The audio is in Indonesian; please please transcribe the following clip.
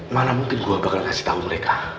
mana mungkin gue bakal kasih tahu mereka